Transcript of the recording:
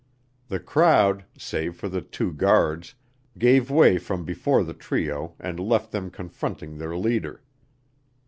The crowd, save for the two guards, gave way from before the trio and left them confronting their leader.